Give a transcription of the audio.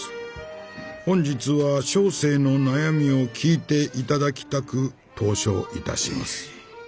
本日は小生の悩みを聞いていただきたく投書いたします」。